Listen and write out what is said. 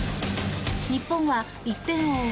日本は１点を追う